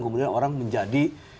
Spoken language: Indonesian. kemudian orang menjadi